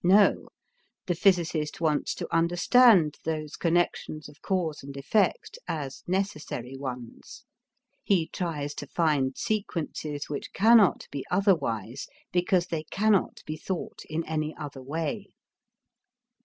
No, the physicist wants to understand those connections of cause and effect as necessary ones. He tries to find sequences which cannot be otherwise because they cannot be thought in any other way.